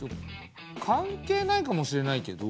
関係ないかもしれないけど。